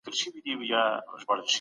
عزتمن سړی تل د حق وينا کوی.